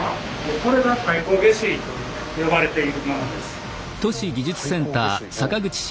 これが「太閤下水」と呼ばれているものです。